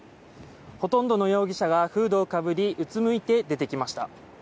ほとんどの容疑者がフードをかぶりうつむいて出てきました。